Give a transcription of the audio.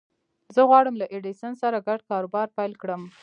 زه غواړم له ايډېسن سره ګډ کاروبار پيل کړم.